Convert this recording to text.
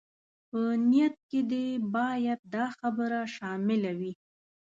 په نيت کې دې بايد دا خبره شامله وي.